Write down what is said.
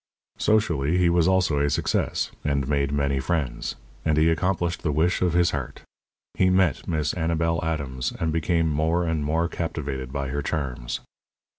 Socially he was also a success, and made many friends. And he accomplished the wish of his heart. He met Miss Annabel Adams, and became more and more captivated by her charms.